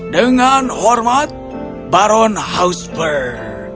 dengan hormat baron hausberg